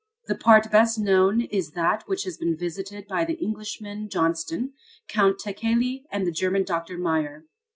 The part best known is that which has been visited by the Englishman Johnston, Count Tekeli and the German doctor Meyer.